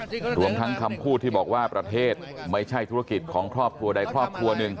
รวมทั้งคำพูดที่บอกว่าประเทศไม่ใช่ธุรกิจของครอบครัวใดครอบครัวหนึ่ง